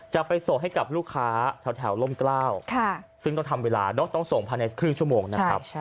จะไปส่งให้กับลูกค้าแถวล่มกล้าวซึ่งต้องทำเวลาต้องส่งภายในครึ่งชั่วโมงนะครับ